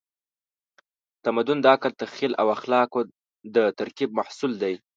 تمدن د عقل، تخیل او اخلاقو د ترکیب محصول دی.